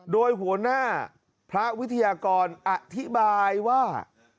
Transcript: โดยหัวหน้าพระวิทยากรอธิบายว่า